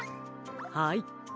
はい。